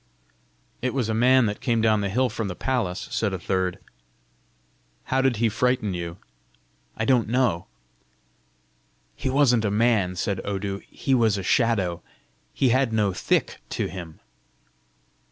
"It was a man that came down the hill from the palace," said a third. "How did he frighten you?" "I don't know." "He wasn't a man," said Odu; "he was a shadow; he had no thick to him!"